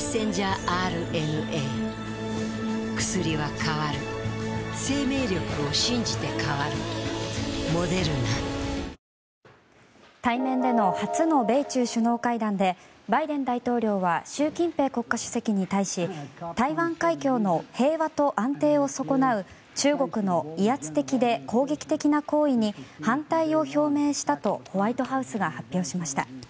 ここから更に成長を遂げ対面での初の米中首脳会談でバイデン大統領は習近平国家主席に対し台湾海峡の平和と安定を損なう中国の威圧的で攻撃的な行為に反対を表明したとホワイトハウスが発表しました。